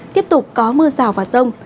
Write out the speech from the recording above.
tiếp tục có mưa rào và rông